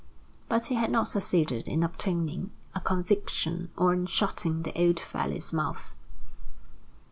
But he had not succeeded in obtaining a conviction or in shutting the old fellow's mouth.